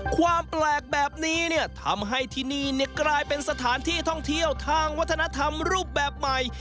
ความแปลกแบบนี้เนี่ยทำให้ที่นี่กลายเป็นสถานที่ท่องเที่ยวทางวัฒนธรรมรูปแบบใหม่